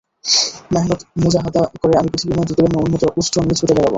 মেহনত মুজাহাদা করে আমি পৃথিবীময় দ্রুতগামী উন্নত উষ্ট্র নিয়ে ছুটে বেড়াব।